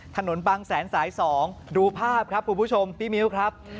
ถนนบางแสนสาย๒ดูภาพครับคุณผู้ชมพี่มิ้วครับ